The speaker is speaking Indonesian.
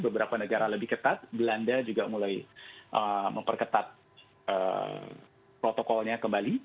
beberapa negara lebih ketat belanda juga mulai memperketat protokolnya kembali